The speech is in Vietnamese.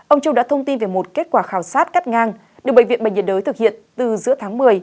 ông trung đã thông tin về một kết quả khảo sát cắt ngang được bệnh viện bệnh nhiệt đới thực hiện từ giữa tháng một mươi